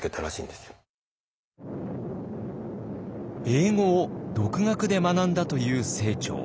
英語を独学で学んだという清張。